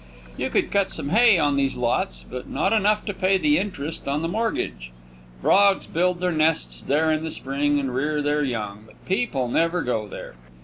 You could cut some hay on these lots, but not enough to pay the interest on the mortgage. Frogs build their nests there in the spring and rear their young, but people never go there.